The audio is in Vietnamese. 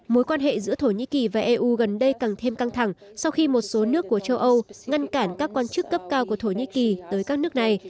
mối quan hệ giữa thổ nhĩ kỳ và eu gần đây càng thêm căng thẳng sau khi một số nước của châu âu ngăn cản các quan chức cấp cao của thổ nhĩ kỳ tới các nước này